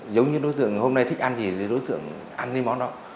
giống như đối tượng hôm nay thích ăn gì thì đối tượng ăn cái món đó